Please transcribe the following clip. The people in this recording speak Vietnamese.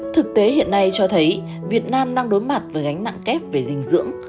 thực tế hiện nay cho thấy việt nam đang đối mặt với gánh nặng kép về dinh dưỡng